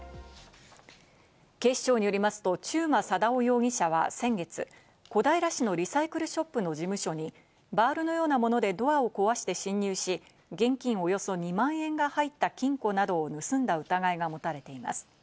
警視庁によりますと中馬貞夫容疑者は先月、小平市のリサイクルショップの事務所にバールのようなものでドアを壊して侵入し、現金およそ２万円が入った金庫などを盗んだ疑いが持たれています。